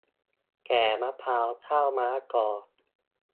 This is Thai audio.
แก่มะพร้าว เฒ่ามะละกอ